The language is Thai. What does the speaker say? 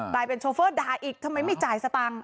ได้เป็นโชเฟอร์ดาอีกทำไมไม่จ่ายสักตังค์